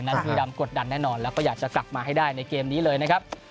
บุรีรำกดดันแน่นอนแล้วก็อยากจะกลับมาให้ได้ในเกมนี้เลยนะครับ